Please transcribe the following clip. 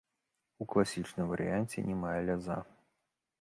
У класічным варыянце не мае ляза.